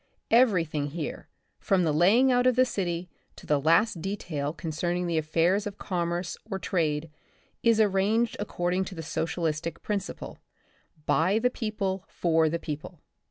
Every thing here, from the laying out of the city to the last detail concerning the affairs of com merce or trade is arranged according to the socialistic principle — by the people for the People.